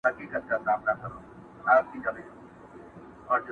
ښکاري ګوري موږکان ټوله تاوېږي،